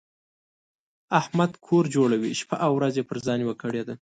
احمد کور جوړوي؛ شپه او ورځ يې پر ځان یوه کړې ده.